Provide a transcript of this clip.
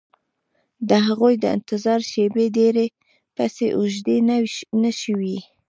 د هغوی د انتظار شېبې ډېرې پسې اوږدې نه شوې